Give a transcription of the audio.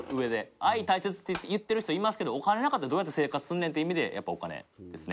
愛が大切って言ってる人いますけどお金なかったらどうやって生活すんねんって意味でやっぱお金ですね。